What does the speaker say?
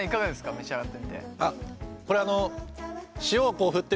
召し上がってみて。